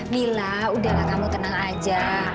mila udahlah kamu tenang aja